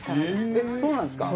えっそうなんですか。